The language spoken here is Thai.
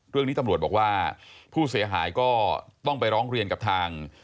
เรื่องนี้ตำรวจบอกว่าผู้เสียหายก็ต้องไปร้องเรียนกับทาง